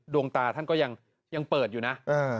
โดงตาท่านยังเปิดนะ